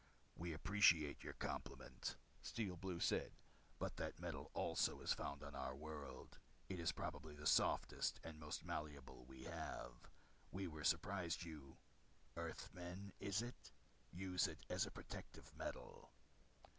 "We appreciate your compliment," Steel Blue said. "But that metal also is found on our world. It's probably the softest and most malleable we have. We were surprised you earthmen, is it? use it as protective metal."